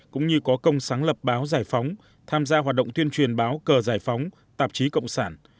cũng như có công sáng lập báo giải phóng tham gia hoạt động tuyên truyền báo cờ giải phóng tạp chí cộng sản